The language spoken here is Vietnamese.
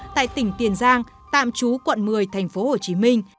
tại tỉnh tiền giang tạm trú quận một mươi tp hcm